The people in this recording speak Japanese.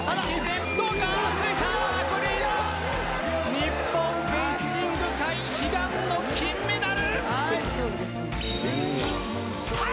日本、フェンシング界、悲願の金メダル！